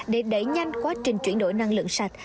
để đẩy nhanh quá trình chuyển đổi năng lượng sạch